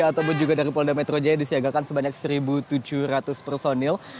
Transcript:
ataupun juga dari polda metro jaya disiagakan sebanyak satu tujuh ratus personil